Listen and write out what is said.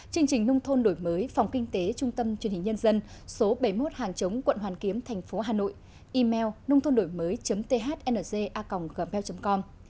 chương trình nông thôn đổi mới phòng kinh tế trung tâm truyền hình nhân dân số bảy mươi một hàng chống quận hoàn kiếm thành phố hà nội email nôngthonđổimới thnza gmail com